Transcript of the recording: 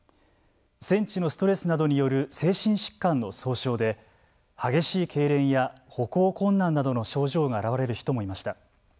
戦地のストレスなどによる精神疾患の総称で激しいけいれんや歩行困難などの症状が現れる人もいました。